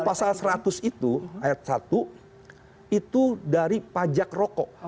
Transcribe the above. pasal seratus itu ayat satu itu dari pajak rokok